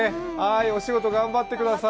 お仕事頑張ってください。